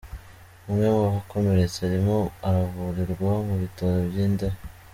Umwe mu bakomeretse arimo aravurirwa mu bitaro by’i Ndera